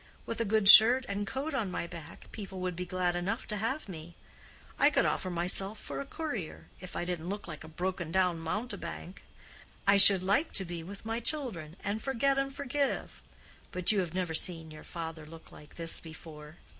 With a good shirt and coat on my back, people would be glad enough to have me. I could offer myself for a courier, if I didn't look like a broken down mountebank. I should like to be with my children, and forget and forgive. But you have never seen your father look like this before.